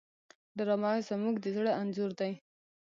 ډرامه زموږ د زړه انځور دی